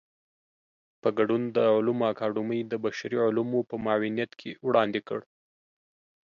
په ګډون د علومو اکاډمۍ د بشري علومو په معاونيت کې وړاندې کړ.